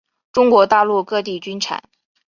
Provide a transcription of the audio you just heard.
中国大陆各地均产。